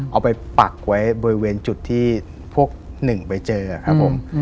ไปปักไว้บริเวณจุดที่พวกหนึ่งไปเจอครับผม